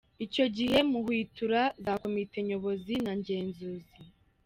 Icyo gihe muhwitura za komite nyobozi na ngenzuzi.